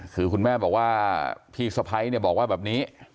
คือคุณแม่บอกว่าพี่สภัยบอกว่าแบบนี้